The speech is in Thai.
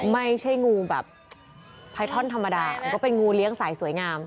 ไม่ใช่งูแบบไพทอนธรรมดามันก็เป็นงูเลี้ยงสายสวยงาม